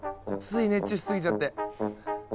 つい熱中しすぎちゃって。